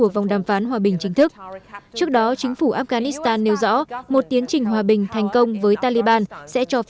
vâng xin cảm ơn chị mỹ linh